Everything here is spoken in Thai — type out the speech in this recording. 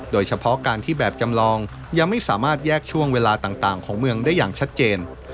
โดยเฉพาะการที่แบบจำลองยังไม่สามารถแยกช่วงเวลาต่างของเมืองได้อย่างชัดเจน